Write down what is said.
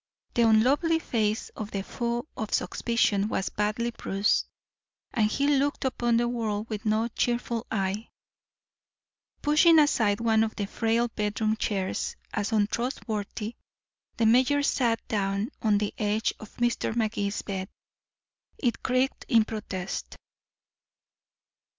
The unlovely face of the foe of suspicion was badly bruised, and he looked upon the world with no cheerful eye. Pushing aside one of the frail bedroom chairs as untrustworthy, the mayor sat down on the edge of Mr. Magee's bed. It creaked in protest.